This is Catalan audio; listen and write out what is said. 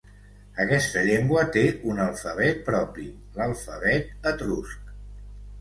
Aquesta llengua té un alfabet propi, l'alfabet etrusc.